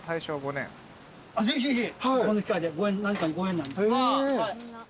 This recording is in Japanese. ぜひぜひこの機会で何かのご縁なんで。